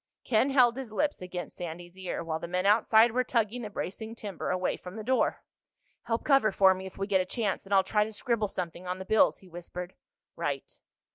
Ken held his lips against Sandy's ear, while the men outside were tugging the bracing timber away from the door. "Help cover for me if we get a chance, and I'll try to scribble something on the bills," he whispered. "Right."